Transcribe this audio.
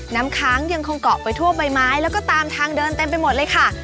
น้ำค้างยังคงเกาะไปทั่วใบไม้แล้วก็ตามทางเดินเต็มไปหมดเลยค่ะ